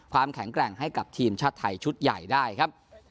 ความแข็งแกร่งให้กับทีมชาติไทยชุดใหญ่ได้ครับ